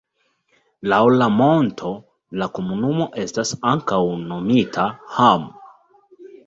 Laŭ la monto la komunumo estas ankaŭ nomita Hamm.